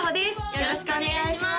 よろしくお願いします！